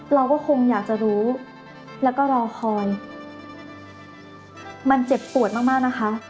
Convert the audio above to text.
เราก็คงอยากจะรู้แล้วก็รอคอยมันเจ็บปวดมากมากนะคะ